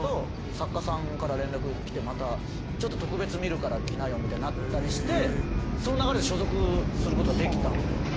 作家さんから連絡来て「特別見るから来なよ」みたいになったりしてその流れで所属することができたんですよ。